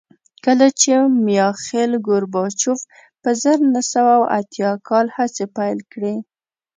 کله چې میخایل ګورباچوف په زر نه سوه اووه اتیا کال هڅې پیل کړې